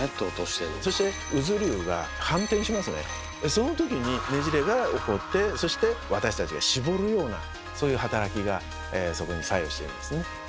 その時にねじれが起こってそして私たちがしぼるようなそういう働きがそこに作用してるんですね。